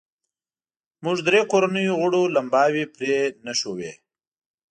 موږ درې کورنیو غړو لمباوې پرې نښوې.